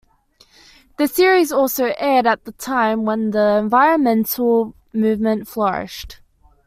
The series also aired at a time when the environmental movement flourished.